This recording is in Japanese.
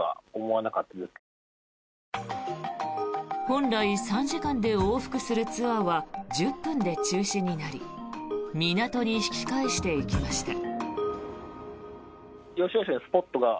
本来３時間で往復するツアーは１０分で中止になり港に引き返していきました。